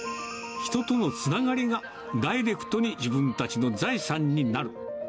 人とのつながりがダイレクトに自分たちの財産になる。